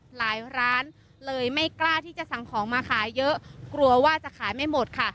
หลายร้านเลยไม่กล้าที่จะสั่งของมาขายเยอะกลัวว่าจะขายไม่หมดค่ะ